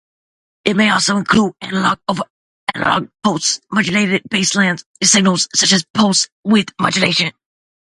It may also include analog-over-analog pulse modulatated baseband signals such as pulse-width modulation.